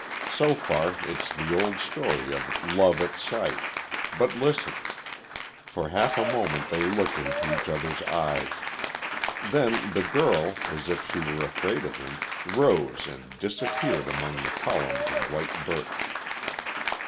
So far it's the old story of love at sight but listen. For half a moment they looked into each other's eyes. Then the girl, as if she were afraid of him, rose and disappeared among the columns of white birch.